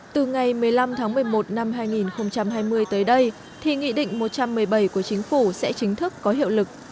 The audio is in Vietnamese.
từ ngày một mươi năm tháng một mươi một năm hai nghìn hai mươi tới đây thì nghị định một trăm một mươi bảy của chính phủ sẽ chính thức có hiệu lực